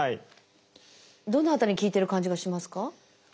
どの辺りに効いてる感じがしますか？